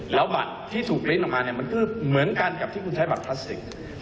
แล้วบัตรที่ถูกปริ้นต์ออกมาเนี่ยมันก็เหมือนกันกับที่คุณใช้บัตรพลาสติก